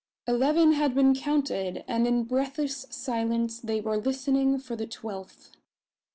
Eleven had been counted; and in breathless silence they were listening for the twelfth.